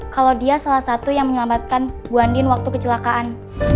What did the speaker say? kalau dia salah satu yang menyelamatkan buandin waktu kecelakaan